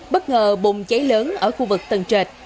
bất ngờ bùng cháy lớn ở khu vực tầng trệt